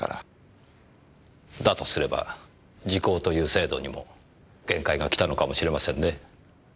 だとすれば時効という制度にも限界が来たのかもしれませんね？